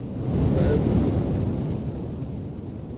Kwɛ̀ʼɛ mɨlùʼù.